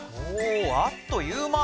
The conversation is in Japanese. おあっという間。